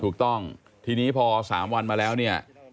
ถูกต้องทีนี้พอ๓วันมาแล้วเนี่ย